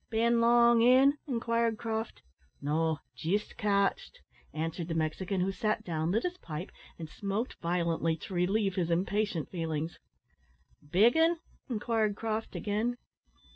"Bin long in?" inquired Croft. "No, jist cotched," answered the Mexican, who sat down, lit his pipe, and smoked violently, to relieve his impatient feelings. "Big 'un?" inquired Croft, again.